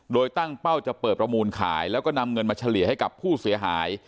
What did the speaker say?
โดยตั้งเป้าจะเปิดประมูลขายแล้วก็นำเงินมาเฉลี่ยให้กับผู้เสียหาย